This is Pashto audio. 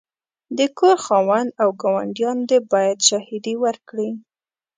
د کور خاوند او ګاونډیان دي باید شاهدې ورکړې.